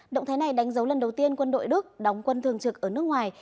động thái này đánh dấu lần đầu tiên quân đội đức đóng quân thường trực ở nước ngoài